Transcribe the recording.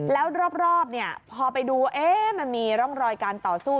แล้วรอบพอไปดูมันมีร่องรอยการต่อสู้